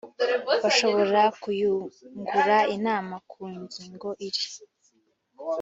bashobora kuyungura inama ku ngingo iri